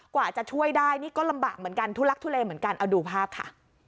กว่าจะช่วยได้นี่ก็ลำบากเหมือนกันทุลักทุเลเหมือนกันเอาดูภาพค่ะ